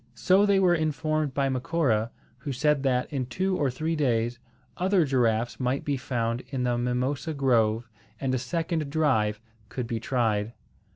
So they were informed by Macora, who said that, in two or three days, other giraffes might be found in the mimosa grove, and a second drive could be tried.